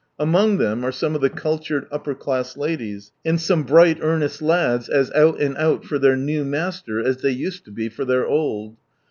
Among them, are some of the cultured upper class ladies, and some bright earnest lads, as out and out for their new Master, as they used to be for their old.